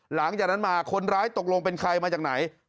หลังจากนั้นมาคนร้ายตกลงเป็นใครมาจากไหน